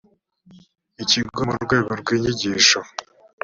ikigo mu rwego rw’inyigisho